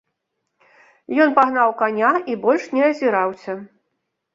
Ён пагнаў каня і больш не азіраўся.